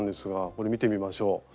これ見てみましょう。